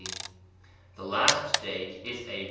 The last date is a.